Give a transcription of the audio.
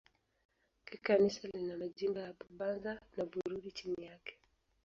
Kikanisa lina majimbo ya Bubanza na Bururi chini yake.